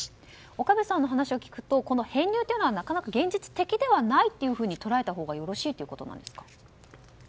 岡部さんの話を聞くと編入はなかなか現実的ではないと捉えたほうがよろしいということですか？